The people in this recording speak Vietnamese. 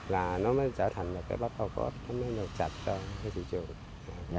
là nó mới trở thành là cây bắp ô cớp nó mới được sạch cho cái thị trường